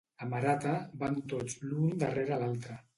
A Marata van tots l'un darrere l'altre